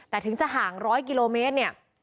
แต่ถึงจะห่าง๑๐๐กิโลเมตรเนี่ย